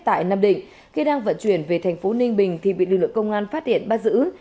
tại nam định khi đang vận chuyển về thành phố ninh bình thì bị lực lượng công an phát hiện bắt giữ